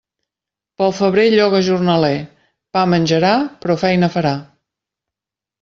Pel febrer lloga jornaler; pa menjarà, però feina farà.